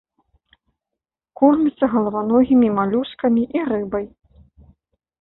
Корміцца галаваногімі малюскамі і рыбай.